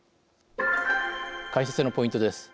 解説のポイントです。